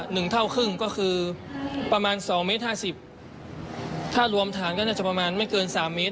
หนึ่งเท่าครึ่งก็คือประมาณสองเมตรห้าสิบถ้ารวมฐานก็น่าจะประมาณไม่เกินสามเมตร